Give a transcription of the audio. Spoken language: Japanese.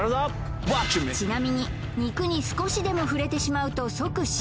ちなみに肉に少しでも触れてしまうと即失格